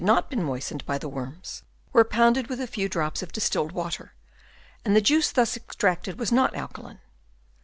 not been moistened by the worms, were pounded with a few drops of distilled water, and the juice thus extracted was not alkaline.